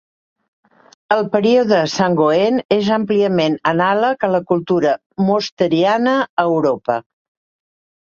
El període sangoen és àmpliament anàleg a la cultura mosteriana a Europa.